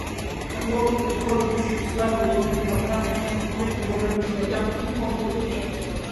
გამოაქვეყნეთ მხოლოდ ისეთი სურათები, რომელთა ნახვაც თქვენთვის, თქვენი მეგობრებისთვის და ოჯახისთვის კომფორტული იქნება.